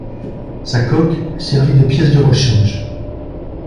Sa coque servit de pièces de rechange.